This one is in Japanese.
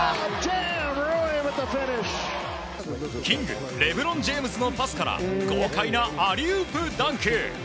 キングレブロン・ジェームズのパスから豪快なアリウープダンク！